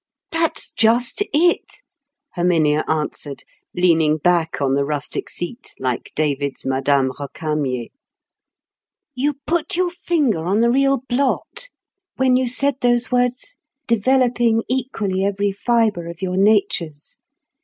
"That's just it," Herminia answered, leaning back on the rustic seat like David's Madame Récamier. "You put your finger on the real blot when you said those words, developing equally every fibre of your natures.